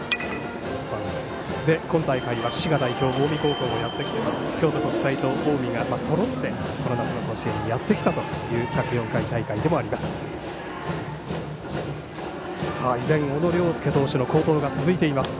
今大会は滋賀代表近江高校がやってきて、京都国際と近江がそろってこの夏の甲子園にやってきたという１０４回大会でもあります。